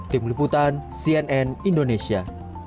tim liputan cnn indonesia